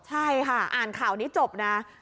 ใช่ค่ะอ่านข่าวนี้จบนะ